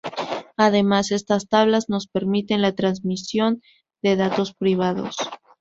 Además, estas tablas nos permiten la transmisión de datos privados.